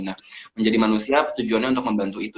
nah menjadi manusia tujuannya untuk membantu itu